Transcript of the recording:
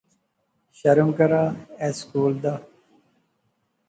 شرم کرا، ایہہ سکول دا